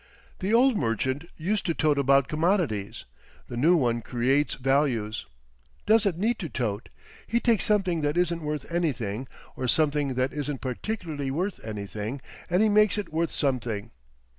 The old merchant used to tote about commodities; the new one creates values. Doesn't need to tote. He takes something that isn't worth anything—or something that isn't particularly worth anything—and he makes it worth something.